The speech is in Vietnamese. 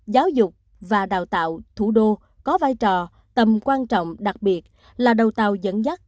giáo dục và đào tạo thủ đô có vai trò tầm quan trọng đặc biệt là đầu tàu dẫn dắt